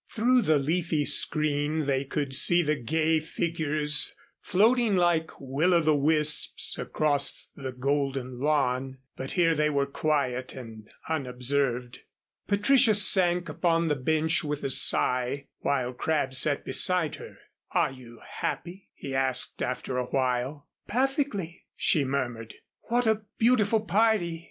Through the leafy screen they could see the gay figures floating like will o' the wisps across the golden lawn, but here they were quiet and unobserved. Patricia sank upon the bench with a sigh, while Crabb sat beside her. "Are you happy?" he asked after awhile. "Perfectly," she murmured. "What a beautiful party!"